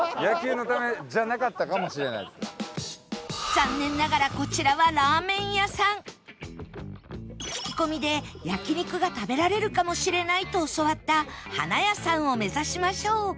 残念ながら聞き込みで焼肉が食べられるかもしれないと教わったハナヤさんを目指しましょう